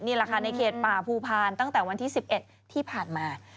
นี่แหละค่ะในเขตป่าภูพานตั้งแต่วันที่๑๑ที่ผ่านมา